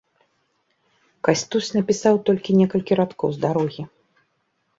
Кастусь напісаў толькі некалькі радкоў з дарогі.